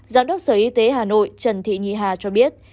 giám đốc sở y tế hà nội trần thị nhì hà cho biết